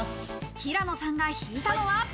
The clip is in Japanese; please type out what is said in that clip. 平野さんが引いたのは。